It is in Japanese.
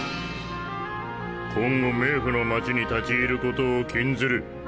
今後冥府の町に立ち入ることを禁ずる。